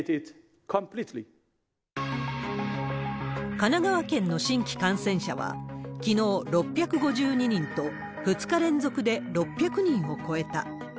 神奈川県の新規感染者は、きのう６５２人と、２日連続で６００人を超えた。